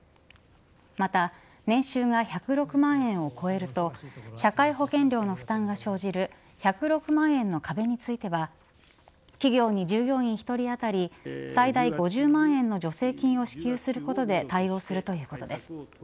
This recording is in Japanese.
また年収が１０６万円を超えると社会保険料の負担が生じる１０６万円の壁については企業に従業員１人当たり最大５０万円の助成金を支給することで対応するということです。